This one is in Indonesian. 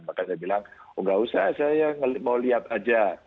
maka saya bilang oh nggak usah saya mau lihat aja